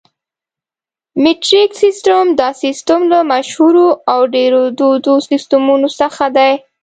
الف: مټریک سیسټم: دا سیسټم له مشهورو او ډېرو دودو سیسټمونو څخه دی.